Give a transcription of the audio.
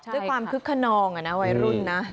ด้วยความคึกขนองนะวัยรุ่นนะ